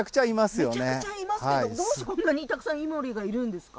めちゃくちゃいますけどもどうしてこんなにたくさんイモリがいるんですか？